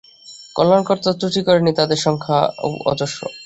কন্যাকর্তারা ত্রুটি করেন নি, তাঁদের সংখ্যাও অজস্র।